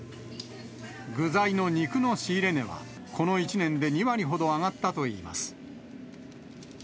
具材の肉の仕入れ値は、この１年で２割ほど上がったといいます。